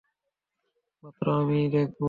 একমাত্র আমিই দেখবো।